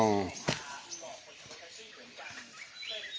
อืม